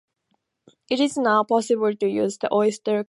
It is now possible to use the Oyster card for travel here.